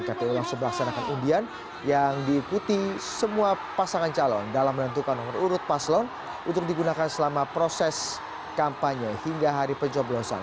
kpu langsung melaksanakan undian yang diikuti semua pasangan calon dalam menentukan nomor urut paslon untuk digunakan selama proses kampanye hingga hari pencoblosan